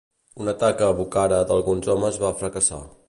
Un atac a Bukhara d'alguns homes va fracassar.